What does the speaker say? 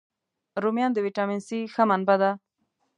رومیان د ویټامین C ښه منبع دي